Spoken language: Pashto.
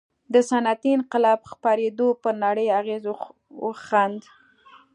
د صنعتي انقلاب خپرېدو پر نړۍ اغېز وښند.